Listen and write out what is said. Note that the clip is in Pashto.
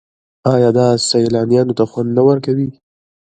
آیا دا سیلانیانو ته خوند نه ورکوي؟